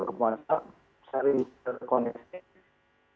kita sudah berkuasa sering terkoneksi